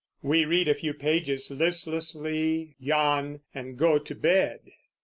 We read a few pages listlessly, yawn, and go to bed.